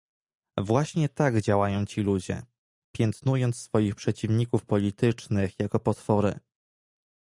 Właśnie tak działają ci ludzie - piętnując swoich przeciwników politycznych jako potwory